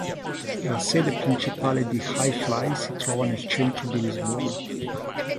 La sede principale di Hi Fly si trova nel centro di Lisbona.